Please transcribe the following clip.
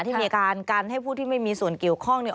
ที่มีการกันให้ผู้ที่ไม่มีส่วนเกี่ยวข้องเนี่ย